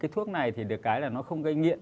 thuốc này được cái là nó không gây nghiện